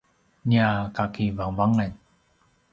nia kakivangavangan